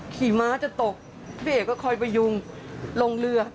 ขี่ม้าจะตกพี่เอกก็คอยประยุงลงเรือ